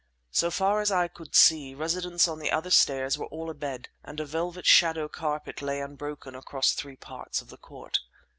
So far as I could see, residents on the other stairs were all abed and a velvet shadow carpet lay unbroken across three parts of the court.